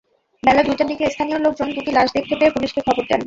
বেলা দুইটার দিকে স্থানীয় লোকজন দুটি লাশ দেখতে পেয়ে পুলিশকে খবর দেন।